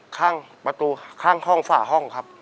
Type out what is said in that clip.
ข้างประตูข้างห้องฝ่าห้องครับ